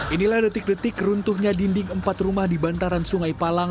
inilah detik detik runtuhnya dinding empat rumah di bantaran sungai palang